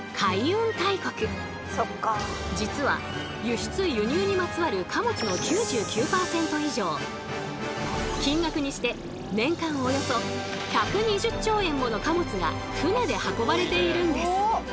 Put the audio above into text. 実は輸出・輸入にまつわる金額にして年間およそ１２０兆円もの貨物が船で運ばれているんです。